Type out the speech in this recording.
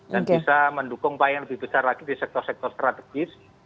dan bisa mendukung yang lebih besar lagi di sektor sektor strategis